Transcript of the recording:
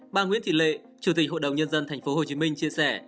bà nguyễn thị lệ chủ tịch hội đồng nhân dân tp hcm chia sẻ